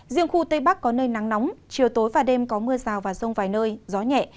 riêng khu tây bắc có nơi nắng nóng chiều tối và đêm có mưa rào và rông vài nơi gió nhẹ